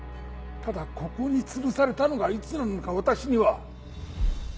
ただここにつるされたのがいつなのか私には。